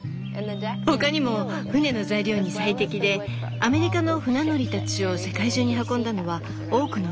ほかにも船の材料に最適でアメリカの船乗りたちを世界中に運んだのはオークの船でした。